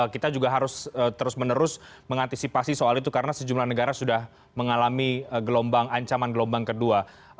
kita juga harus terus menerus mengantisipasi soal itu karena sejumlah negara sudah mengalami gelombang ancaman gelombang kedua